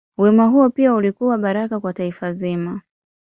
Wema huo pia ulikuwa baraka kwa taifa zima.